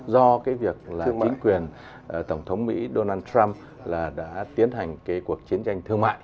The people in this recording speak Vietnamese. do cái việc là chính quyền tổng thống mỹ donald trump đã tiến hành cái cuộc chiến tranh thương mại